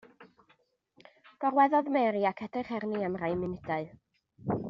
Gorweddodd Mary ac edrych arni am rai munudau.